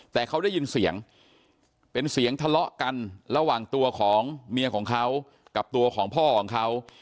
แต่เขาได้ยินเสียงเป็นเสียงทะเลาะกันระหว่างตัวของเมียของเขากับตัวของพ่อของเขา